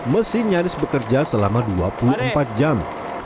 mesin nyaris bekerja selama dua puluh empat jam